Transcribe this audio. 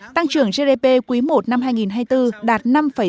tăng trưởng gdp quý i năm hai nghìn hai mươi bốn đạt năm sáu mươi sáu